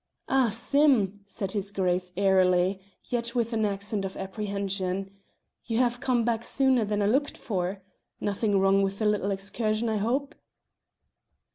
"Ah, Sim!" said his Grace, airily, yet with an accent of apprehension, "you have come back sooner than I looked for: nothing wrong with the little excursion, I hope?"